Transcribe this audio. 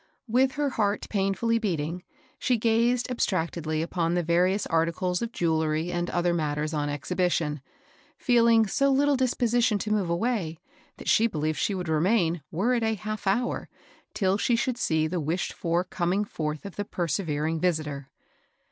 With her heart painfully beating, she gazed abstractedly upon the y^jcvam ^s&^ 15 226 MABEL ROSS. cles of jewelry and other matters on exhibition^ feeling so little disposition to move away, that she believed she would remain, were it a half hour, till she should see the wished for coming forth of the persevering visitor.